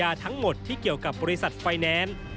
ทั้งหมดที่เกี่ยวกับบริษัทไฟแนนซ์